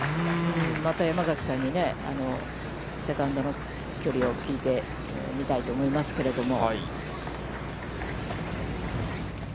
また山崎さんにね、セカンドの距離を聞いてみたいと思いますけれども。